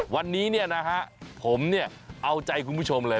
วันนี้นะฮะผมเอาใจคุณผู้ชมเลย